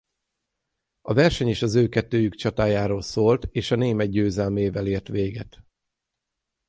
A verseny is az ő kettőjük csatájáról szólt és a német győzelmével ért véget.